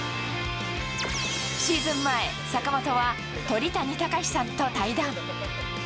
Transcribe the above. シーズン前、坂本は鳥谷敬さんと対談。